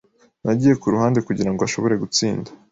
Nagiye ku ruhande kugira ngo ashobore gutsinda.